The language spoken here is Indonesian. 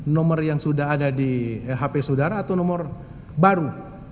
nomor yang sudah ada di hp saudara atau nomor baru